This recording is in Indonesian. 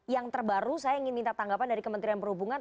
yang terbaru saya ingin minta tanggapan dari kementerian perhubungan